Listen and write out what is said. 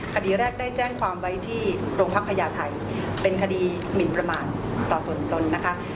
คดีแรกได้แจ้งความไว้ที่โรงพักพญาไทยเป็นคดีหมินประมาทต่อส่วนตนนะคะ